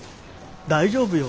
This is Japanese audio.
大丈夫よ。